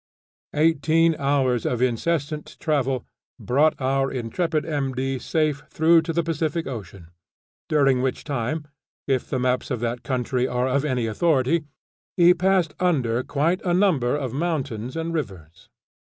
Eighteen hours of incessant travel brought our intrepid M.D. safe through to the Pacific Ocean; during which time, if the maps of that country are of any authority, he passed under quite a number of mountains and rivers.